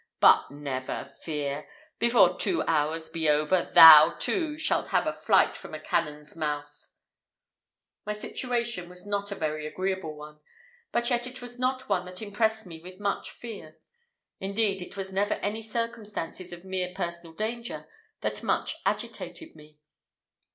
But never fear! before two hours be over, thou, too, shalt have a flight from a cannon's mouth!" My situation was not a very agreeable one, but yet it was not one that impressed me with much fear. Indeed, it was never any circumstances of mere personal danger that much agitated me.